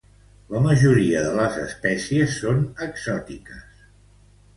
La majoria de les espècies són exòtiques.